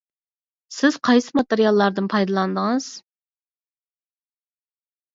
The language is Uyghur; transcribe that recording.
سىز قايسى ماتېرىياللاردىن پايدىلاندىڭىز؟